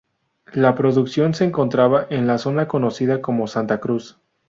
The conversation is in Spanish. La producción se encontraba en la zona conocida como Santa Cruz.